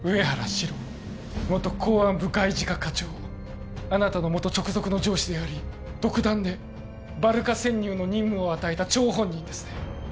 史郎元公安部外事課課長あなたの元直属の上司であり独断でバルカ潜入の任務を与えた張本人ですね